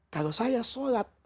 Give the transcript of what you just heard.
kalau saya sholat